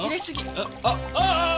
あっあっ！